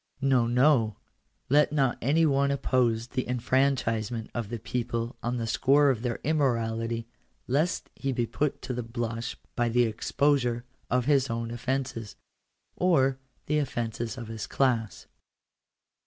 No, no ; let not any one oppose the enfranchisement of the people on the score of their immorality, lest he be put to the blush by the exposure of his own offences, or the offences of his class.